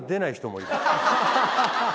ハハハハ！